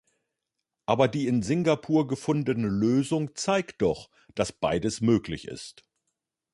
Aber die in Singapur gefundene Lösung zeigt doch, dass beides möglich ist.